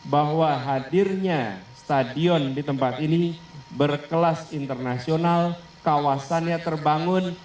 bahwa hadirnya stadion di tempat ini berkelas internasional kawasannya terbangun